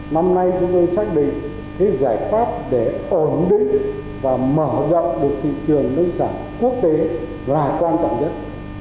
năm nay chúng tôi xác định cái giải pháp để ổn định và mở rộng được thị trường nông sản quốc tế là quan trọng nhất